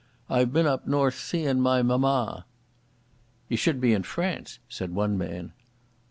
I've been up north seein' my mamma." "Ye should be in France," said one man.